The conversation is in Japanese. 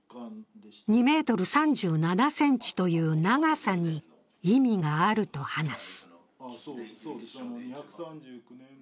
２ｍ３７ｃｍという長さに意味があると話す。